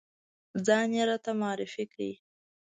ځان یې راته معرفی کړ.